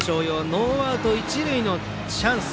ノーアウト一塁のチャンス。